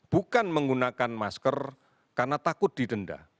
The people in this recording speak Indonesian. bukan menggunakan masker karena takut didenda